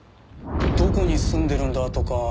どこに住んでるんだとか。